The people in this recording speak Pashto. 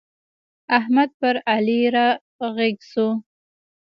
احمد پر علي را ږيز شو.